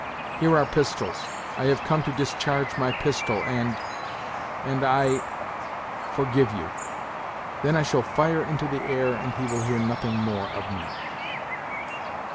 Here are pistols. I have come to discharge my pistol and ... and I ... for give you. Then I shall fire into the air and he will hear nothing more of me.